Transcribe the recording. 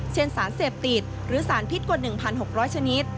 สารเสพติดหรือสารพิษกว่า๑๖๐๐ชนิด